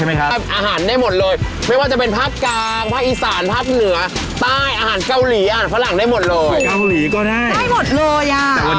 อันนี้พรีไหรณรัดเมนูอีสารจัดเมนูอีสารให้เลยแซ่บน้ำแตกแน่นอน